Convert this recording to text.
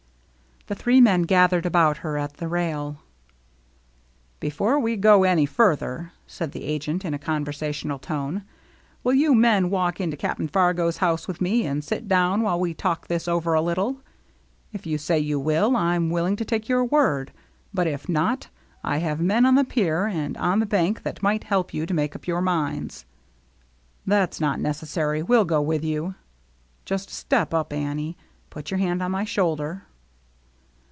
The three men gathered about her at the rail. " Before we go any farther,*' said the agent, in a conversational tone, " will you men walk into Cap*n Fargo's house with me and sit down while we talk this over a little ? If you 214 THE MERRT ANNE say you will, Fm willing to take your word. But if not, I have men on the pier and on the bank that might help you to make up your minds." " That's not necessary. We'll go with you. Just a step up, Annie. Put your hand on my shoulder."